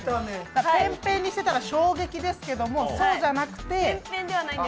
ペンペンにしてたら衝撃ですけど、そうじゃなくて。